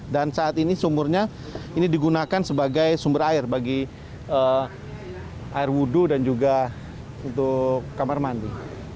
dan saat ini sumurnya ini digunakan sebagai sumber air bagi air wudhu dan juga untuk kamar mandi